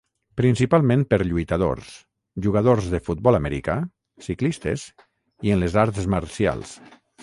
Principalment per lluitadors, jugadors de futbol americà, ciclistes i en les arts marcials.